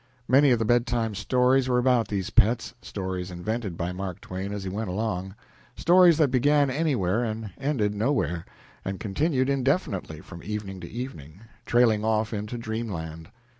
Many of the bed time stories were about these pets stories invented by Mark Twain as he went along stories that began anywhere and ended nowhere, and continued indefinitely from evening to evening, trailing off into dreamland.